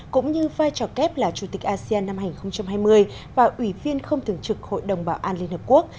cũng như vai trò kép là chủ tịch asean năm hai nghìn hai mươi và ủy viên không thường trực hội đồng bảo an liên hợp quốc